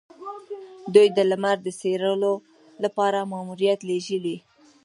دوی د لمر د څیړلو لپاره ماموریت لیږلی.